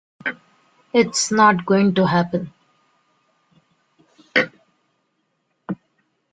It's not going to happen.